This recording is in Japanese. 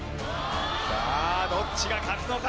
さぁどっちが勝つのか？